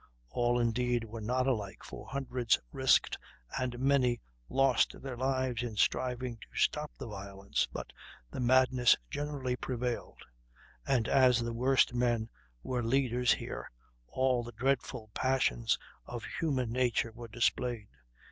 All, indeed, were not alike, for hundreds risked and many lost their lives in striving to stop the violence; but the madness generally prevailed, and as the worst men were leaders here, all the dreadful passions of human nature were displayed.